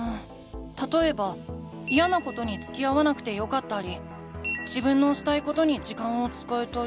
たとえばイヤなことにつきあわなくてよかったり自分のしたいことに時間を使えたり。